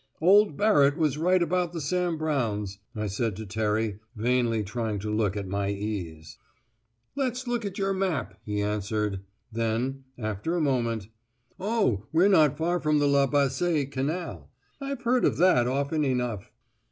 "Old Barrett was right about the Sam Brownes," I said to Terry, vainly trying to look at my ease. "Let's look at your map," he answered. Then, after a moment: "Oh, we're not far from the La Bassée Canal. I've heard of that often enough!"